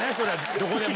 どこでも。